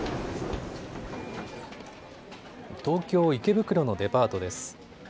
東京池袋のデパートです。